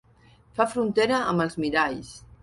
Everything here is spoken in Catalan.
Fa frontera amb els miralls.